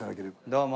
どうも。